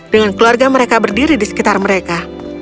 dengan keluarga mereka berdiri di sekitar mereka